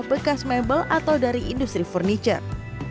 bekas mebel atau dari industri furniture